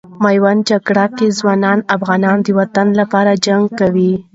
میوند جګړې کې ځوان افغانان د وطن لپاره جنګ کوي.